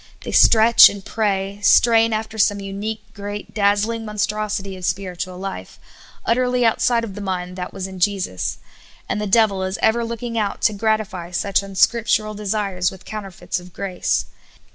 They stretch and pra}^ ; strain after some unique, great, dazzhng monstrosity of spiritual life, utterly outside of the mind that was in Jesus ; and the devil is ever looking out to gratify such unscriptural desires with counterfeits of grace.